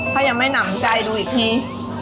ถ้ายังไม่หนำใจดูอีกที